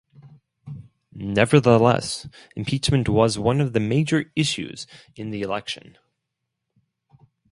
Nevertheless, impeachment was one of the major issues in the election.